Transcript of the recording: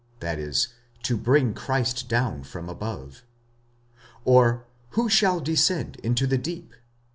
(that is, to bring Christ down from above:) 45:010:007 Or, Who shall descend into the deep?